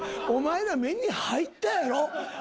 お前ら目に入ったやろ？